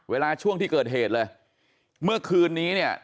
เวลาช่วงที่เกิดเหตุเลยเมื่อคืนนี้เนี่ย